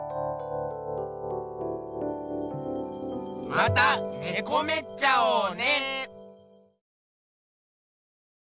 またねこめっちゃおね。